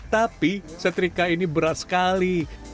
tapi setrika ini berat sekali